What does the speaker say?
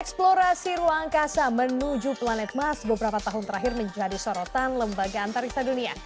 eksplorasi ruang angkasa menuju planet mas beberapa tahun terakhir menjadi sorotan lembaga antariksa dunia